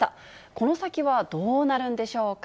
この先はどうなるんでしょうか。